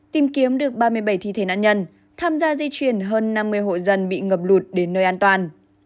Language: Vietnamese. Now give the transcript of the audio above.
tìm kiếm được ba mươi bảy thi thể nạn nhân tham gia di chuyển hơn năm mươi hộ dân bị ngập lụt đến nơi an toàn